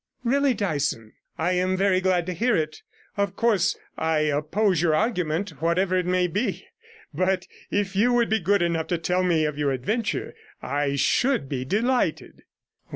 'Really, Dyson, I am very glad to hear it. Of course, I oppose your argument, whatever it may be; but if you would be good enough to tell me of your adventure, I should be delighted.'